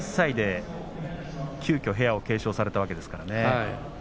３１歳で急きょ部屋を継承されたわけですが。